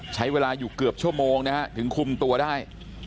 ใช้เวลาอยู่เกือบชั่วโมงนะฮะถึงคุมตัวได้